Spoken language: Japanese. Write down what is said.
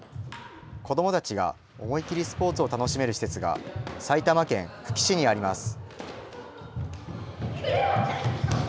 子どもたちが思い切りスポーツを楽しめる施設が埼玉県久喜市にあります。